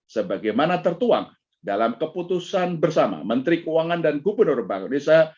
sebagaimana tertuang dalam keputusan bersama menteri keuangan dan gubernur bank indonesia